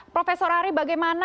profesor ari bagaimana